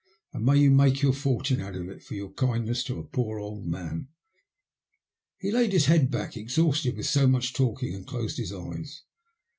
And may you make your fortune out of it for your kindness to a poor old man." He laid his head back, exhausted with so much talking, and closed his eyes.